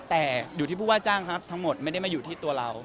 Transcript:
แต่อยู่ที่ผู้ว่าจ้างครับทั้งหมดไม่ได้มาอยู่ที่ตัวเรา